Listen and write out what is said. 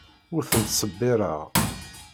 Ur ten-ttṣebbireɣ.